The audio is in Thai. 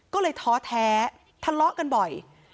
ก็เลยท้อแท้ทะเลาะกันบ่อย